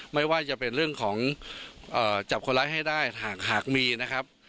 ไม่ว่าจะเป็นเรื่องของจับคนร้ายให้ได้หากมีนะครับ